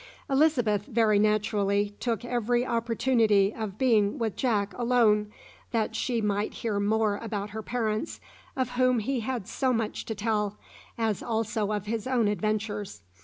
Elizabeth, very naturally, took every opportunity of being with Jack alone, that she might hear more about her parents, of whom he had so much to tell, as also of his own adventures.